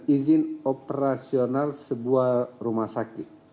izin operasional sebuah rumah sakit